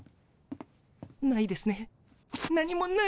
ないですね。